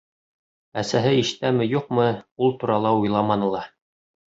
Әсәһе ишетәме-юҡмы, ул турала уйламаны ла.